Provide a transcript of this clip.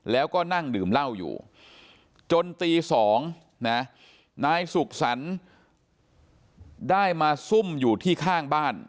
แล้วก็นั่งดื่มเหล้าอยู่จนตี๒นะนายสุขสรรค์ได้มาซุ่มอยู่ที่ข้างบ้าน